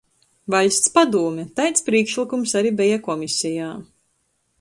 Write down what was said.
"Vaļsts Padūme" — taids prīšklykums ari beja komisejā,